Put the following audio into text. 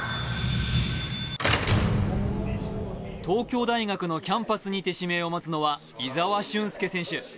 東京大学のキャンパスにて指名を待つのは、井澤駿介選手。